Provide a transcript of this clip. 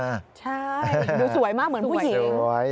ใช่ดูสวยมากเหมือนผู้หญิง